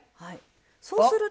そうすると。